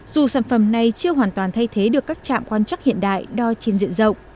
dù sản phẩm này chưa hoàn toàn thay thế được các trạm quan chắc hiện đại đo trên diện rộng